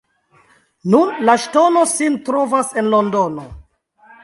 Nun la ŝtono sin trovas en Londono.